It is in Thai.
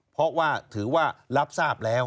เพราะว่าถือว่ารับทราบแล้ว